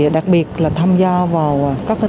đặc biệt là tham gia vào các tổ tri vết